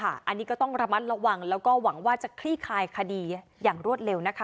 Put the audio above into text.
อันนี้ก็ต้องระมัดระวังแล้วก็หวังว่าจะคลี่คลายคดีอย่างรวดเร็วนะคะ